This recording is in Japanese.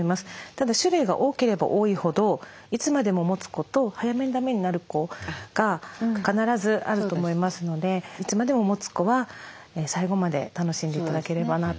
ただ種類が多ければ多いほどいつまでももつ子と早めにだめになる子が必ずあると思いますのでいつまでももつ子は最後まで楽しんで頂ければなと思います。